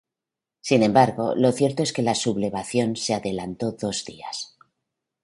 Sin embargo, lo cierto es que la sublevación se adelantó dos días.